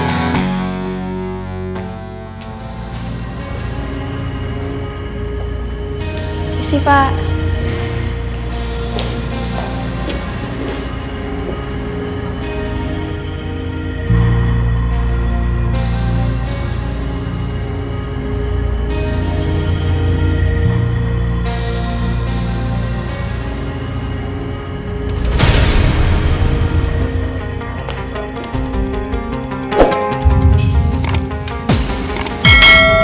terima kasih pak